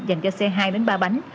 dành cho xe hai ba bánh